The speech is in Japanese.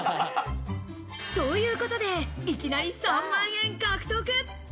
ということで、いきなり３万円獲得。